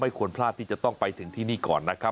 ควรพลาดที่จะต้องไปถึงที่นี่ก่อนนะครับ